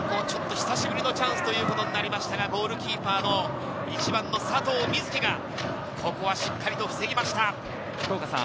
久しぶりのチャンスということなりましたが、ゴールキーパーの、１番の佐藤瑞起がここはしっかりと防ぎました。